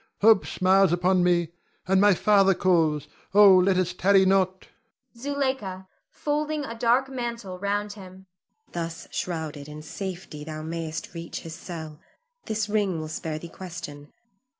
Hope smiles upon me, and my father calls. Oh, let us tarry not. Zuleika [folding a dark mantle round him]. Thus shrouded, in safety thou mayst reach his cell; this ring will spare thee question.